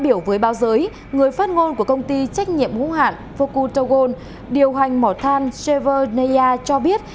báo giới người phát ngôn của công ty trách nhiệm hữu hạn vokutogon điều hành mỏ than cheverneia cho biết